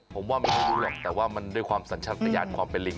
ผมว่าไม่รู้หรอกแต่ว่ามันด้วยความสัญชาติยานความเป็นลิง